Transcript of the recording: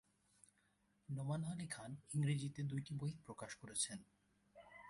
নোমান আলী খান ইংরেজিতে দুইটি বই প্রকাশ করেছেন।